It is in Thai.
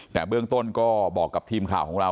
แต่เบื้องต้นก็บอกกับทีมข่าวของเรา